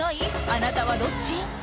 あなたはどっち？